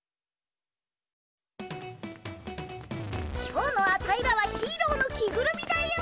今日のアタイらはヒーローの着ぐるみだよ！